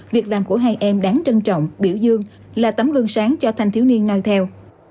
việc làm của hai em đáng trân trọng biểu dương là tấm gương sáng cho thanh thiếu niên no theo